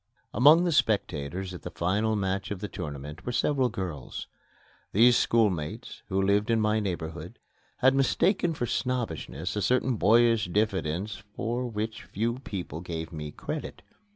Among the spectators at the final match of the tournament were several girls. These schoolmates, who lived in my neighborhood, had mistaken for snobbishness a certain boyish diffidence for which few people gave me credit.